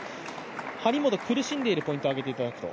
張本、苦しんでポイントを上げていくと。